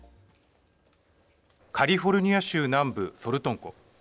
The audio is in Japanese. カリフォルニア州南部ソルトン湖。